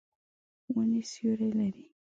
ونې سیوری لري.